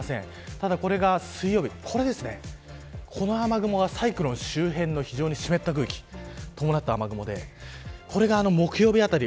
ただこれが水曜日この雨雲がサイクロン周辺の非常に湿った空気を伴った雨雲でこれが木曜日あたり